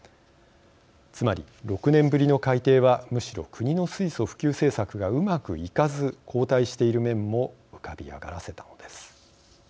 つまり、６年ぶりの改定はむしろ国の水素普及政策がうまくいかず後退している面も浮かび上がらせたのです。